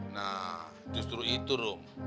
nah justru itu rum